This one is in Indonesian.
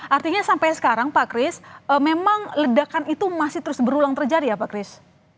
artinya sampai sekarang pak kris memang ledakan itu masih terus berulang terjadi ya pak chris